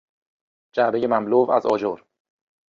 جعبهای مملو از آجر